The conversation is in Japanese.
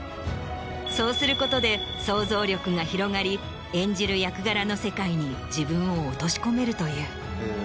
そうすることで想像力が広がり演じる役柄の世界に自分を落とし込めるという。